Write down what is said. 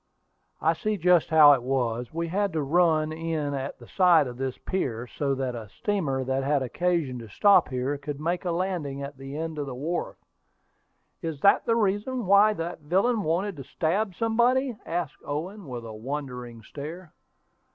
"I see just how it was: we had to run in at the side of this pier, so that a steamer that had occasion to stop here could make a landing at the end of the wharf." "Is that the reason why that villain wanted to stab somebody?" asked Owen, with a wondering stare.